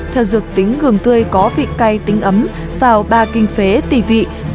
theo dược tính gừng tươi có vị cay tính ấm vào ba kinh phế tỉ vị